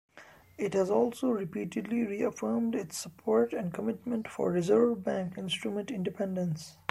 It has also repeatedly reaffirmed its support and commitment for reserve bank instrument independence.